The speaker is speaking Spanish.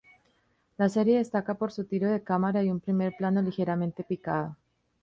La serie destaca por su tiro de cámara y un primer plano ligeramente picado.